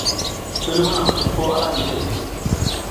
I luma naƞ tuppo ara hinje.